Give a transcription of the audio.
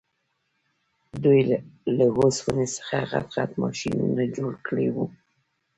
دوی له اوسپنې څخه غټ غټ ماشینونه جوړ کړي وو